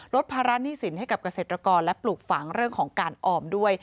ภาระหนี้สินให้กับเกษตรกรและปลูกฝังเรื่องของการออมด้วย